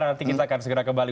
nanti kita akan segera kembali